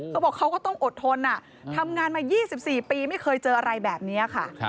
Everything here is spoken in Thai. เขาบอกเขาก็ต้องอดทนทำงานมา๒๔ปีไม่เคยเจออะไรแบบนี้ค่ะ